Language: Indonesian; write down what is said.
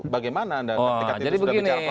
bagaimana jadi begini